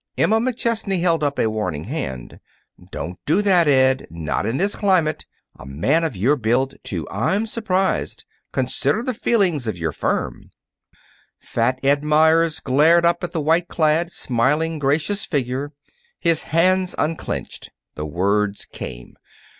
Emma McChesney held up a warning hand. "Don't do that, Ed! Not in this climate! A man of your build, too! I'm surprised. Consider the feelings of your firm!" Fat Ed Meyers glared up at the white clad, smiling, gracious figure. His hands unclenched. The words came.